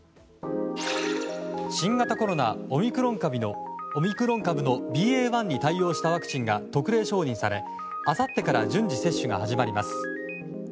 新型コロナオミクロン株のＢＡ．１に対応したワクチンが特例承認されあさってから順次接種が始まります。